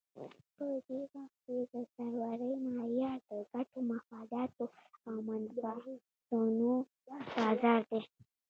په دې وخت کې د سرورۍ معیار د ګټو، مفاداتو او منفعتونو بازار دی.